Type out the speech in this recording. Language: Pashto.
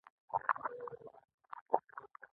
هغه د څه ويلو لپاره د ډاکټر دفتر ته راغلې وه.